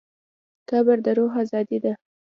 قبر د روح ازادي ده.